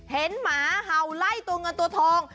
หมาเห่าไล่ตัวเงินตัวทอง